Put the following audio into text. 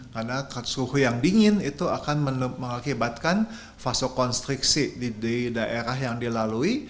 karena suhu yang dingin itu akan mengakibatkan vasokonstriksi di daerah yang dilalui